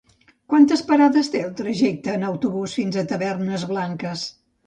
Quantes parades té el trajecte en autobús fins a Tavernes Blanques?